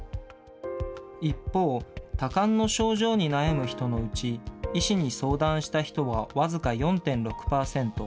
一方、多汗の症状に悩む人のうち、医師に相談した人は僅か４．６％。